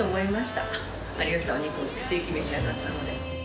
有吉さんステーキ召し上がったので。